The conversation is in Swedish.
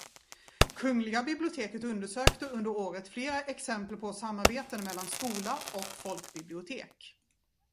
Kungliga biblioteket undersökte under året flera exempel på samarbeten mellan skola och folkbibliotek.